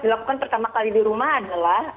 dilakukan pertama kali di rumah adalah